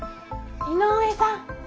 井上さん。